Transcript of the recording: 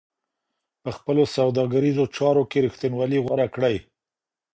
په خپلو سوداګريزو چارو کي رښتينولي غوره کړئ.